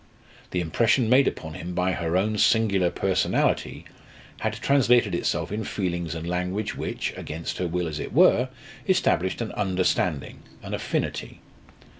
The impression made upon him by her own singular personality had translated itself in feelings and language which, against her will as it were, established an understanding, an affinity.